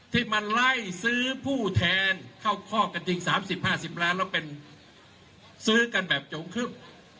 ที่มาไล่ซื้อผู้แทนเข้าข้อกันจริง๓๐๕๐ล้านแล้วเป็นซื้อกันแบบจงครึ่ม